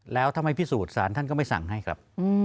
แล้วถ้าไม่พิสูจน์สารท่านก็ไม่สั่งให้ครับ